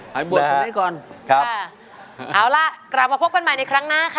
หายบวชเขาให้ก่อนครับเอาล่ะกลับมาพบกันใหม่อีกครั้งหน้าค่ะ